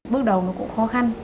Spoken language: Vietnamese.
bước đầu nó cũng khó khăn